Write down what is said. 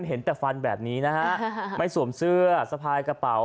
เห็นแต่ฟันแบบนี้นะฮะไม่สวมเสื้อสะพายกระเป๋า